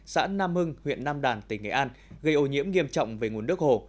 xã nam hưng huyện nam đàn tỉnh nghệ an gây ô nhiễm nghiêm trọng về nguồn nước hồ